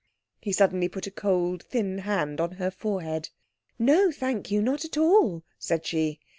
He suddenly put a cold, thin hand on her forehead. "No thank you, not at all," said she.